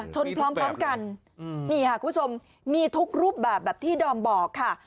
พร้อมกันนี่ค่ะคุณผู้ชมมีทุกรูปแบบแบบที่ดอมบอกค่ะ